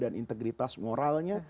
dan integritas moralnya